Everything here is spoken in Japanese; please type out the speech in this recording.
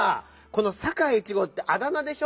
この「サカイ１ごう」ってあだ名でしょ？